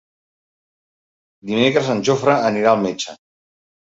Dimecres en Jofre anirà al metge.